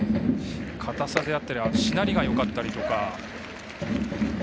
硬さであったりしなりがよかったりとか。